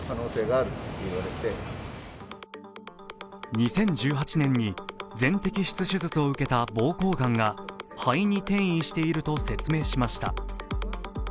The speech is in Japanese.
２０１８年に全摘出手術を受けた膀胱がんが肺に転移していると説明しました。